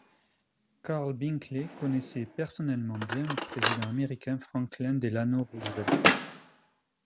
Karl Bickel connaissait personnellement bien le président américain Franklin Delano Roosevelt.